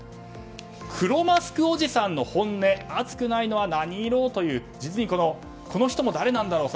黒マスクおじさんの本音暑くないのは何色？というこの人も誰なんだろう